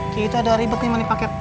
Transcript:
kita ada ribet nih money paket